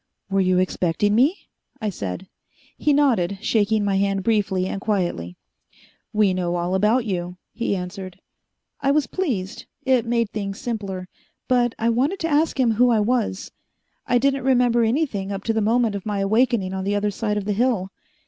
"Were you expecting me?" I said. He nodded, shaking my hand briefly and quietly. "We know all about you," he answered. I was pleased it made things simpler but I wanted to ask him who I was. I didn't remember anything up to the moment of my awakening on the other side of the hill.